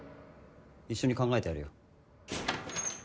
一緒に考えてやるよ。